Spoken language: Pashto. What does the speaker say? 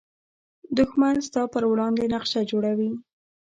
دښمن ستا پر وړاندې نقشه جوړوي